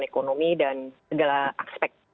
ekonomi dan segala aspek